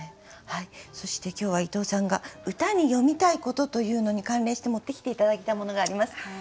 そして今日は伊藤さんが歌に詠みたいことというのに関連して持ってきて頂いたものがあります。